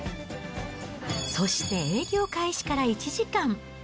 そして営業開始から１時間。